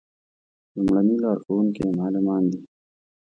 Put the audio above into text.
لومړني لارښوونکي یې معلمان دي.